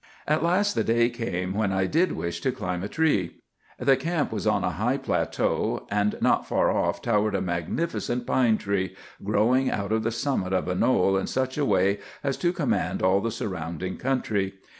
"At last the day came when I did wish to climb a tree. The camp was on a high plateau, and not far off towered a magnificent pine tree, growing out of the summit of a knoll in such a way as to command all the surrounding country.